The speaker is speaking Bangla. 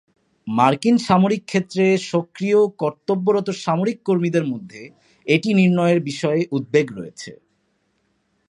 মার্কিন সামরিক ক্ষেত্রে সক্রিয় কর্তব্যরত সামরিক কর্মীদের মধ্যে এটি নির্ণয়ের বিষয়ে উদ্বেগ রয়েছে।